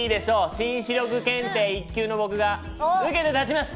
紳士力検定１級の僕が受けて立ちます！